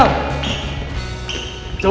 jauhin dia sel